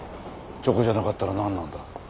チョコじゃなかったら何なんだ。